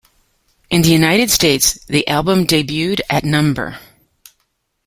In the United States, the album debuted at No.